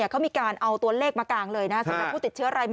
เขามีการเอาตัวเลขมากลางเลย